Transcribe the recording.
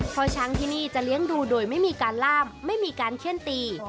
เพราะช้างที่นี่จะเลี้ยงดูโดยไม่มีการล่ามไม่มีการเขี้ยนตี